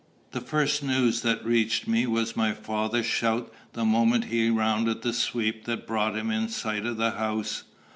The first news that reached me was my father's shout the moment he rounded the sweep that brought him in sight of the house.